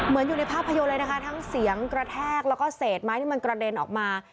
ไม้ที่มันกระเด็นออกมา